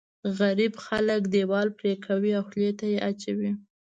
غريب خلک دیوال پرې کوي او خولې ته یې اچوي.